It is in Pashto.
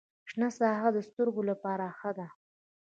شنه ساحه د سترګو لپاره ښه ده